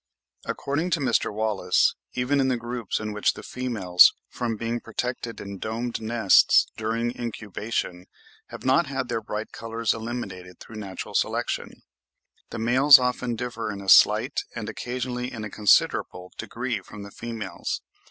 According to Mr. Wallace, even in the groups in which the females, from being protected in domed nests during incubation, have not had their bright colours eliminated through natural selection, the males often differ in a slight, and occasionally in a considerable degree from the females.